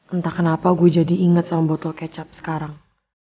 entah kenapa gue jadi inget sama botol kecap sekarang